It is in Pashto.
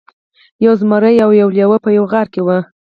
یو زمری او یو لیوه په یوه غار کې وو.